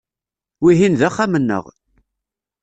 Wihin d axxam-nneɣ.